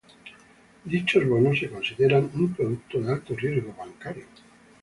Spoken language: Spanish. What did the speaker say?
Dichos bonos se consideran un producto de alto riesgo bancario.